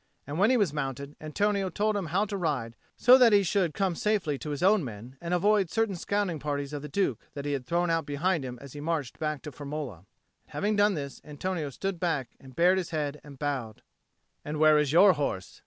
And when he was mounted, Antonio told him how to ride, so that he should come safely to his own men, and avoid certain scouting parties of the Duke that he had thrown out behind him as he marched back to Firmola. And having done this, Antonio stood back and bared his head and bowed. "And where is your horse?"